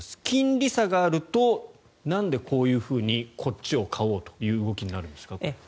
金利差があるとなんでこういうふうにこっちを買おうという動きになるんですか。